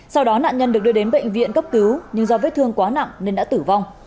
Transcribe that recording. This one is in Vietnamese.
sau đó nạn nhân được đưa đến bệnh viện cấp cứu nhưng do vết thương quá nặng nên đã tử vong